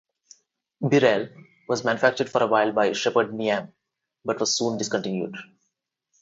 "Birell" was manufactured for a while by Shepherd Neame, but was soon discontinued.